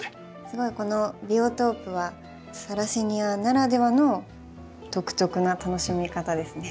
すごいこのビオトープはサラセニアならではの独特な楽しみ方ですね。